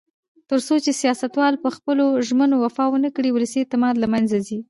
تر څو چې سیاستوال په خپلو ژمنو وفا ونکړي، ولسي اعتماد له منځه ځي.